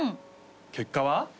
結果は？